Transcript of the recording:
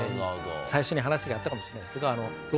最初に話があったかもしれないですけど。